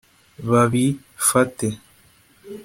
babifate